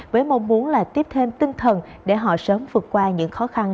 với mong muốn là tiếp thêm tinh thần để họ sớm vượt qua những khó khăn